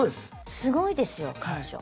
すごいですよ彼女。